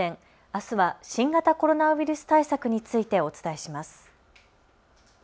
あすは新型コロナウイルス対策についてお伝えします。